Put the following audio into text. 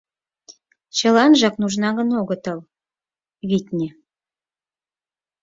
Чыланжак нужнаҥын огытыл, витне.